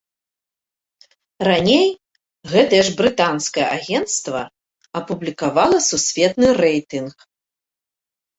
Раней гэтае ж брытанскае агенцтва апублікавала сусветны рэйтынг.